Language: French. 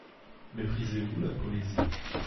Méprisez-vous la poésie?